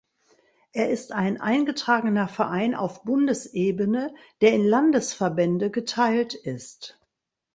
Er ist ein eingetragener Verein auf Bundesebene, der in Landesverbände geteilt ist.